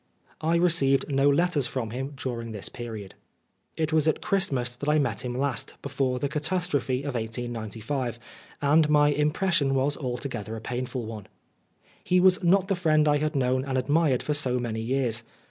I received no letters from him during this period. It was at Christmas that I met him last, Oscar Wilde before the catastrophe of 1895, and mv impression was altogether a painful one. He was not the friend I had known and admired for so many years.